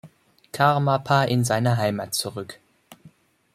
Karmapa in seine Heimat zurück.